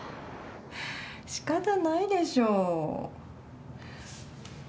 しかたないでしょ。